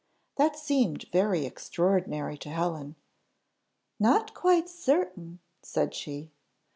That seemed very extraordinary to Helen. "Not quite certain?" said she.